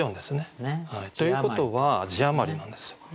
字余り。ということは字余りなんですよ。